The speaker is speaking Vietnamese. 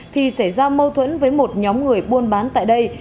thì xảy ra mâu thuẫn với một nhóm người buôn bán tại đây